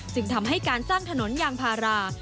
จึงทำให้การสร้างถนนยางพารา